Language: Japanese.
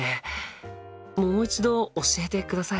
もう一度教えてください。